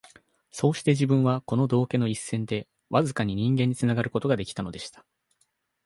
そうして自分は、この道化の一線でわずかに人間につながる事が出来たのでした